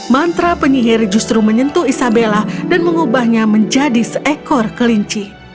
mantra penyihir justru menyentuh isabella dan mengubahnya menjadi seekor kelinci